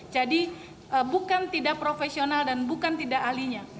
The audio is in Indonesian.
jadi bukan tidak profesional dan bukan tidak ahlinya